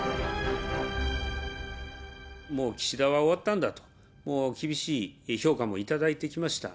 もう岸田は終わったんだと、もう厳しい評価もいただいてきました。